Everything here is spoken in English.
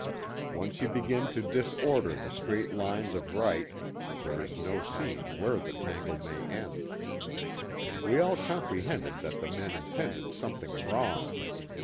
Once you begin 6o A PICNIC NEAR THE EQUATOR. to disorder the straight lines of right there is no seeing where the tangle may end. We all comprehended that the men intended something wrong.